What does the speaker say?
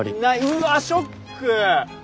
うわショック。